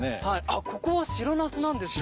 あっここは白ナスなんですね。